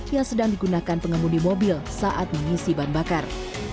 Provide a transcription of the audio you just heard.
yang sedang digunakan pengemudi mobil saat mengisi bahan bakar